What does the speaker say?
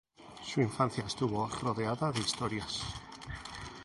Su infancia estuvo rodeada de historias.